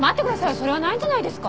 それはないんじゃないですか？